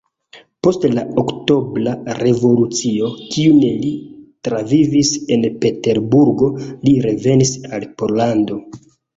Post la Oktobra Revolucio, kiun li travivis en Peterburgo, li revenis al Pollando.